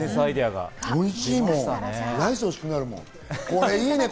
おいしいもん、ライス欲しくなるもん。